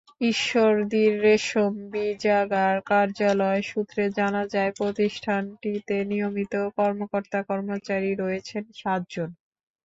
ঈশ্বরদীর রেশম বীজাগার কার্যালয় সূত্রে জানা যায়, প্রতিষ্ঠানটিতে নিয়মিত কর্মকর্তা-কর্মচারী রয়েছেন সাতজন।